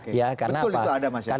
betul itu ada mas